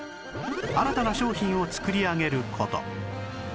新たな商品を作り上げる事